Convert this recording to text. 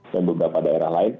dan beberapa daerah lain